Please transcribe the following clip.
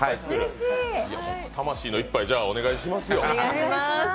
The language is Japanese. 魂の１杯、お願いしますよ。